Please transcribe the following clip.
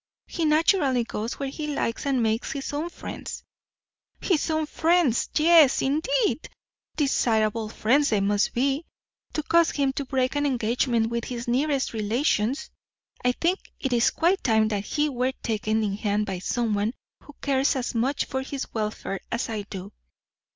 He naturally goes where he likes and makes his own friends." "His own friends, yes, indeed! Desirable friends they must be, to cause him to break an engagement with his nearest relations. I think it is quite time that he were taken in hand by someone who cares as much for his welfare as I do.